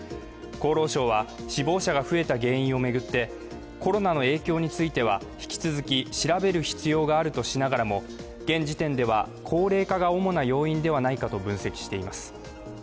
厚労省は、死亡者が増えた原因を巡って、コロナの影響については引き続き調べる必要があるとしながらも現時点では高齢化が主な要因ではないかと分析しています。